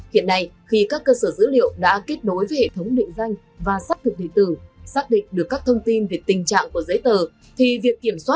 hiện nay khi các cơ sở dữ liệu đã kết nối với hệ thống định danh và xác thực thị tử xác định được các thông tin về tình trạng của giấy tờ